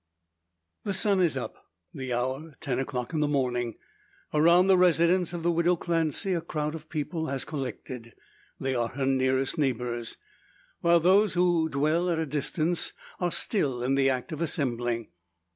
The sun is up the hour ten o'clock, morning. Around the residence of the widow Clancy a crowd of people has collected. They are her nearest neighbours; while those who dwell at a distance are still in the act of assembling.